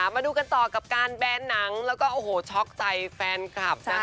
มาดูกันต่อกับการแบนหนังแล้วก็โอ้โหช็อกใจแฟนคลับนะคะ